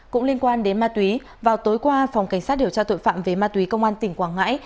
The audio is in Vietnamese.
cũng liên quan đến ma túy vào tối qua phòng cảnh sát điều tra tội phạm về ma túy công an tỉnh quảng ngãi